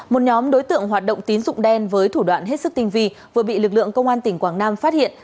một nhóm đối tượng hoạt động tín dụng đen với thủ đoạn hết sức tinh vi vừa bị lực lượng công an tỉnh quảng nam phát hiện